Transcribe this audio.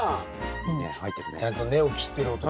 ちゃんと根を切ってる音聞こえるね。